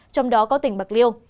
trong đó có tỉnh bạc liêu